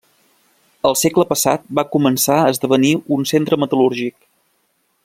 Al segle passat va començar a esdevenir un centre metal·lúrgic.